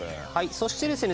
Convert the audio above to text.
そしてですね